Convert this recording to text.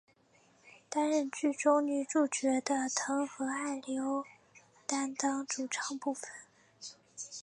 担任剧中女主角的藤和艾利欧担当主唱部分。